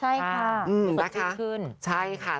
ใช่ค่ะสุขทิศขึ้นนะคะใช่ค่ะ